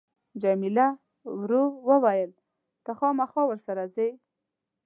جميله ورو وویل ته خامخا ورسره ځې.